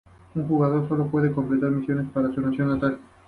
Un jugador solo puede completar misiones para su nación natal.